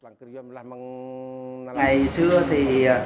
ngày xưa thì